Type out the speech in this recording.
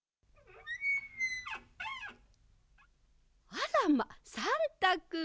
あらまさんたくん。